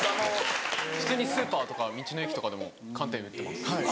普通にスーパーとか道の駅とかでも寒天売ってます。